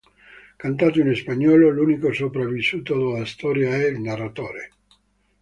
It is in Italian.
Cantato in spagnolo, l'unico sopravvissuto della storia è il narratore.